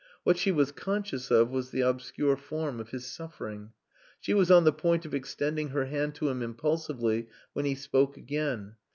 What she was conscious of was the obscure form of his suffering. She was on the point of extending her hand to him impulsively when he spoke again.